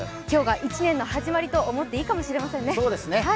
今日が１年の始まりと思っていいかもしれませんね。